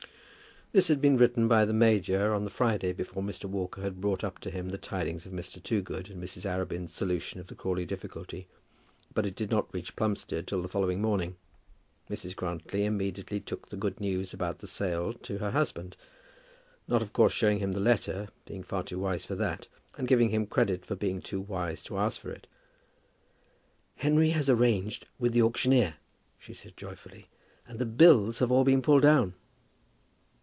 This had been written by the major on the Friday before Mr. Walker had brought up to him the tidings of Mr. Toogood and Mrs. Arabin's solution of the Crawley difficulty; but it did not reach Plumstead till the following morning. Mrs. Grantly immediately took the good news about the sale to her husband, not of course showing him the letter, being far too wise for that, and giving him credit for being too wise to ask for it. "Henry has arranged with the auctioneer," she said joyfully; "and the bills have been all pulled down."